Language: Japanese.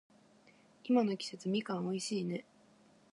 今の季節、みかん美味しいね。